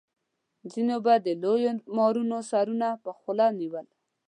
ځینو به د لویو مارانو سرونه په خوله نیول.